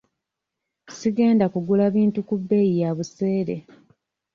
Sigenda kugula bintu ku bbeeyi ya buseere.